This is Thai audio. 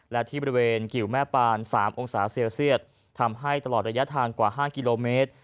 และที่บริเวณกิวแม่ปาน๓องศาเซลเซียตทำให้ตลอดระยะทางกว่า๕กิโลเมตร